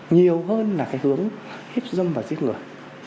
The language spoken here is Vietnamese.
nhiều hơn là cái hướng hiếp dâm và giết người